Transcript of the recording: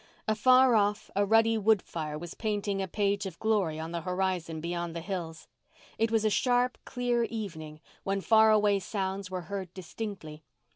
Afar off, a ruddy woodfire was painting a page of glory on the horizon beyond the hills. It was a sharp, clear evening when far away sounds were heard distinctly.